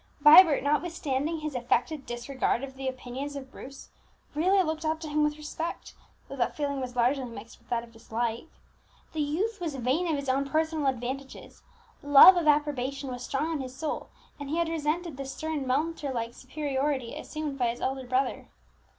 Vibert, notwithstanding his affected disregard of the opinions of Bruce, really looked up to him with respect, though that feeling was largely mixed with that of dislike. The youth was vain of his own personal advantages; love of approbation was strong in his soul, and he had resented the stern Mentor like superiority assumed by his elder brother.